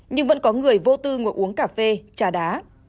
nhưng vẫn có người vô tư ngồi uống cà phê trà đá